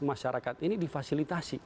masyarakat ini difasilitasi